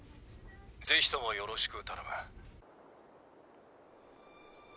ぜひともよろしく頼む。